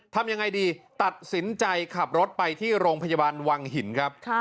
ทำยังไงดีตัดสินใจขับรถไปที่โรงพยาบาลวังหินครับ